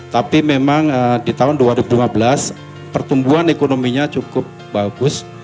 tapi memang di tahun dua ribu lima belas pertumbuhan ekonominya cukup bagus